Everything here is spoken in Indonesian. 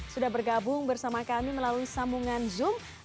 sudah bergabung bersama kami melalui sambungan zoom